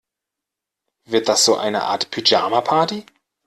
Wird das so eine Art Pyjama-Party?